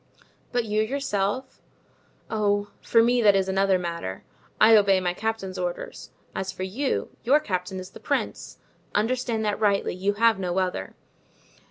"But you yourself?" "Oh, for me; that is another matter. I obey my captain's orders. As for you, your captain is the prince, understand that rightly; you have no other.